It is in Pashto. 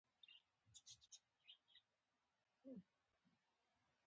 ادبیات تاریخ پرارزښت لرونکو شیانو بحث کوي.